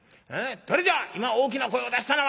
『誰じゃ今大きな声を出したのは？』。